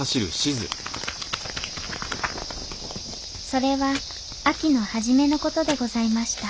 それは秋の初めの事でございました